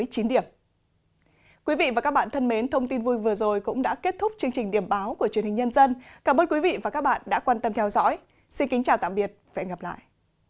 xin chào tạm biệt và hẹn gặp lại